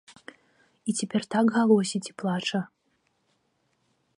І цяпер так галосіць і плача.